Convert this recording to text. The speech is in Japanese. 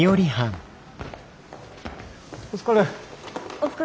お疲れ。